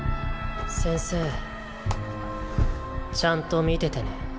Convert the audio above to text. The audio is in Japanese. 先生ちゃんと見ててね。